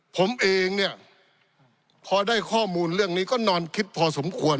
ผมเองเนี่ยพอได้ข้อมูลเรื่องนี้ก็นอนคิดพอสมควร